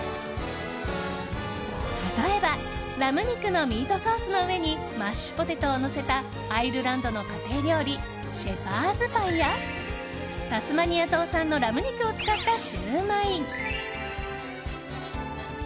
例えばラム肉のミートソースの上にマッシュポテトをのせたアイルランドの家庭料理シェパーズパイやタスマニア島産のラム肉を使ったシウマイ！